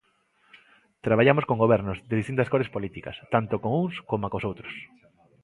Traballamos con gobernos de distintas cores políticas, tanto con uns coma cos outros.